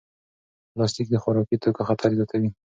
پلاستیک د خوراکي توکو خطر زیاتوي.